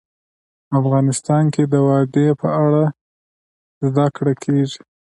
افغانستان کې د وادي په اړه زده کړه کېږي.